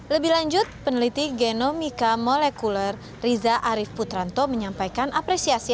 lebih lanjut peneliti genomika molekuler riza arief putranto menyampaikan apresiasi